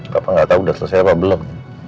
papa gak tau udah selesai apa belum